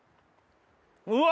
うわ！